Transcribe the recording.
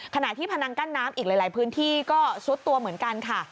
ขณะที่พนังกั้นน้ำอีกหลายพื้นที่ก็ซุดตัวเหมือนกันค่ะ